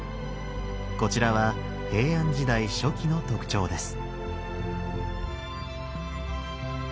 こちらは平安時代初期の特徴です。